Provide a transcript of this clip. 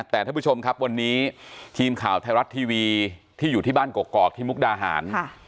แต่ท่านผู้ชมครับวันนี้ทีมข่าวไทยรัฐทีวีที่อยู่ที่บ้านกอกที่มุกดาหาร